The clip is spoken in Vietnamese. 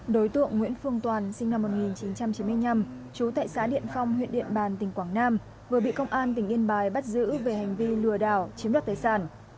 đối tượng nguyễn phương toàn sinh năm một nghìn chín trăm chín mươi năm trú tại xã điện phong huyện điện bàn tỉnh quảng nam vừa bị công an tỉnh yên bái bắt giữ về hành vi lừa đảo chiếm đoạt tài sản